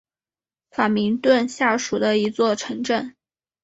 法明顿下属的一座城镇。